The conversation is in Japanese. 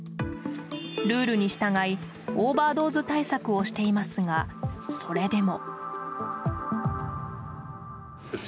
ルールに従いオーバードーズ対策をしていますがそれでも。